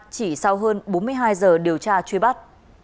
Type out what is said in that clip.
chỉ sau hơn bốn mươi hai giờ điều tra truy bắt